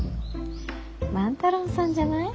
万太郎さんじゃない？